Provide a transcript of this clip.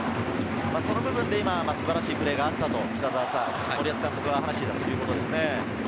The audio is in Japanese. その部分で今、素晴らしいプレーがあったと北澤さん、森保監督が話していたということですね。